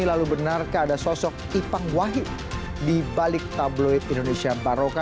lalu benarkah ada sosok ipang wahid di balik tabloid indonesia baroka